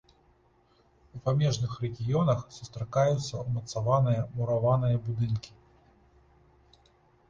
У памежных рэгіёнах сустракаюцца ўмацаваныя мураваныя будынкі.